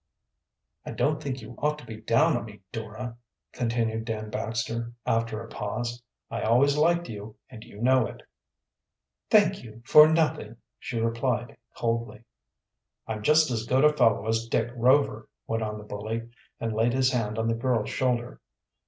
"I don't think you ought to be down on me, Dora," continued Dan Baxter, after a pause. "I always liked you, and you know it." "Thank you for nothing," she replied coldly. "I'm just as good a fellow as Dick Rover," went on the bully, and laid his hand on the girl's shoulder.